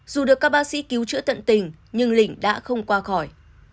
dù được các bác sĩ cứu trữa tận tỉnh nhưng lĩnh đã không qua khỏi